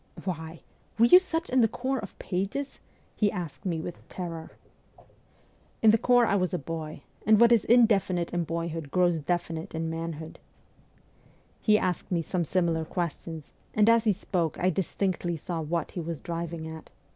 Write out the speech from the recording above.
' Why ! Were you such in the corps of pages ?' he asked me with terror. ' In the corps I was a boy, and what is indefinite in boyhood grows definite in manhoo v d.' He asked me some other similar questions, and as he spoke I distinctly saw what he was driving at.